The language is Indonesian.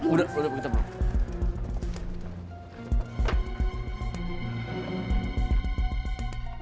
udah udah bu kita pulang